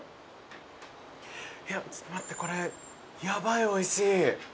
いや待ってこれヤバいおいしい。